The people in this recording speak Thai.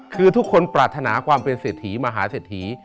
คือทุกคนปรารถนาความเป็นเศรษฐีมหาเศรษฐี